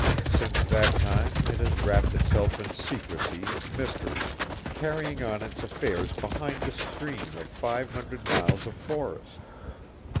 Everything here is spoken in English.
Since that time it has wrapped itself in secrecy and mystery, carrying on its affairs behind the screen of five hundred miles of forest.